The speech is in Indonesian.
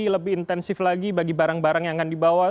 lebih intensif lagi bagi barang barang yang akan dibawa